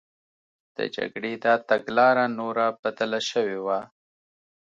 د جګړې دا تګلاره نوره بدله شوې وه